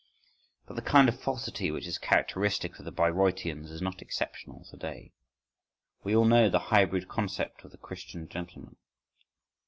(14) But the kind of falsity which is characteristic of the Bayreuthians is not exceptional to day. We all know the hybrid concept of the Christian gentleman.